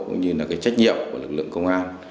cũng như là cái trách nhiệm của lực lượng công an